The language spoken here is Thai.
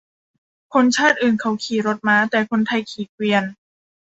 คนชาติอื่นเขาขี่รถม้า แต่คนไทยขี่เกวียน